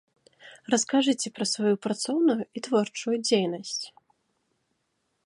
Раскажыце пра сваю працоўную і творчую дзейнасць.